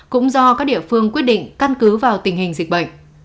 cũng do các địa phương quyết định căn cứ vào tình hình dịch bệnh